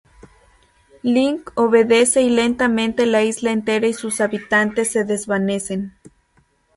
Link obedece y lentamente la isla entera y sus habitantes se desvanecen.